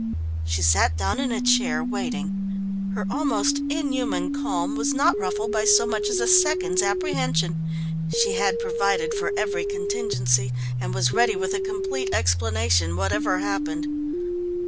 She sat down in a chair, waiting. Her almost inhuman calm was not ruffled by so much as a second's apprehension. She had provided for every contingency and was ready with a complete explanation, whatever happened.